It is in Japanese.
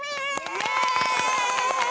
イエーイ！